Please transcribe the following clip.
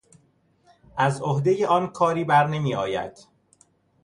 از عهدهی آن کاری برنمیآید.